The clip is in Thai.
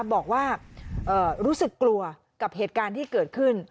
บอกว่ารู้สึกกลัวกับเหตุการณ์ที่เกิดขึ้น